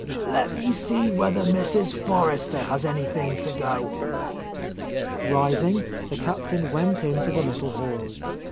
"Let me see whether Mrs. Forrester has anything to go." Rising, the Captain went into the little hall.